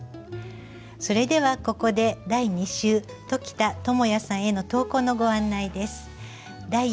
それではここで第２週鴇田智哉さんへの投稿のご案内です。